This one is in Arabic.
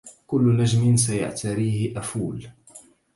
كل نجم سيعتريه أفول